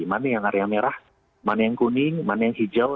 mana yang area merah mana yang kuning mana yang hijau